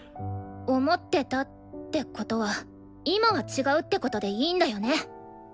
「思ってた」ってことは今は違うってことでいいんだよね？